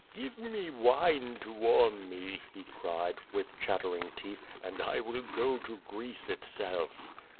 "Give me wine to warm me," he cried, with chattering tectli, "and I will go to Greece itself."